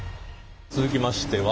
続きましては。